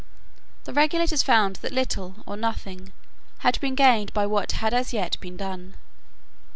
The regulators found that little or nothing had been gained by what had as yet been done.